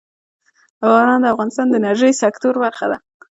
باران د افغانستان د انرژۍ سکتور برخه ده.